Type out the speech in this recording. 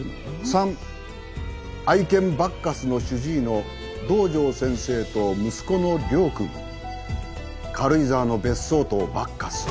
「三愛犬バッカスの主治医の堂上先生と息子の亮君軽井沢の別荘とバッカス」